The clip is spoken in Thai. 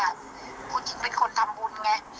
คุณผู้จริงเป็นคนทำบุญไง